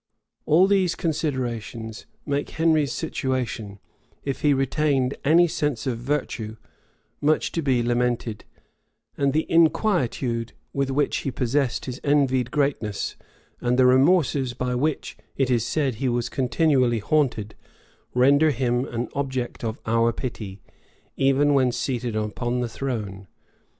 All these considerations make Henry's situation, if he retained any sense of virtue, much to be lamented; and the inquietude with which he possessed his envied greatness, and the remorses by which, it is said, he was continually haunted, render him an object of our pity, even when seated upon the throne.